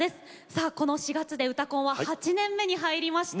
さあこの４月で「うたコン」は８年目に入りました。